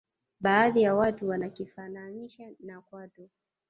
baadhi ya watu wanakifananisha na kwato